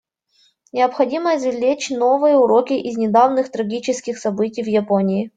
Необходимо извлечь новые уроки из недавних трагических событий в Японии.